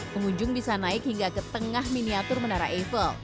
pengunjung bisa naik hingga ke tengah miniatur menara eiffel